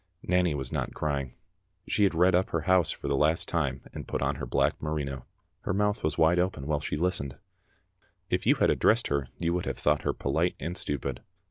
Nanny was not crying. She had redd up her house for the last time and put on her black merino. Her mouth was wide open while she listened. If you had addressed her you would have thought her polite and stupid.